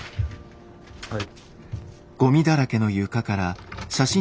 はい。